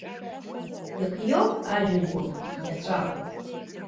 Ихиоуп ажәҩан гәы иаҵәала.